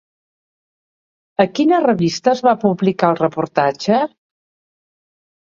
A quina revista es va publicar el reportatge?